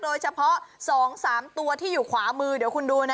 โดยเฉพาะ๒๓ตัวที่อยู่ขวามือเดี๋ยวคุณดูนะ